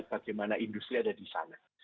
bagaimana industri ada di sana